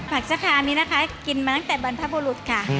สะคานี้นะคะกินมาตั้งแต่บรรพบุรุษค่ะ